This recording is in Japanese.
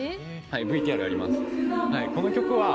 ＶＴＲあります。